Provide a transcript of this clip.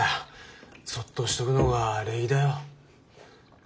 そっとしておくのが礼儀だよ。